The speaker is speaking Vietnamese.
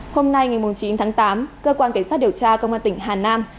hôm nay ngày chín tháng tám cơ quan cảnh sát điều tra công an tỉnh hà nam